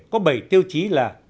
có bảy tiêu chí là